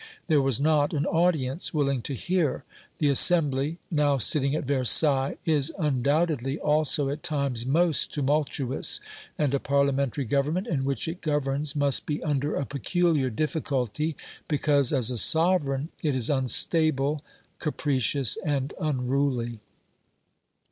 There was not an audience willing to hear. The Assembly now sitting at Versailles is undoubtedly also, at times, most tumultuous, and a Parliamentary government in which it governs must be under a peculiar difficulty, because as a sovereign it is unstable, capricious, and unruly.